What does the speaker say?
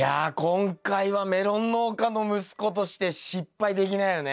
今回はメロン農家の息子として失敗できないよね。